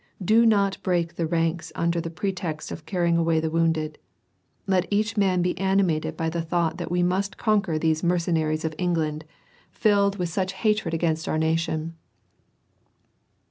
Do not break the ranks ™cr pretext of carrying away the wounded. Let each man be animated uy the thought that we must conquer these ffiercenaries of England, filled 328 WAR AND PEACE, with such hatred against our nation.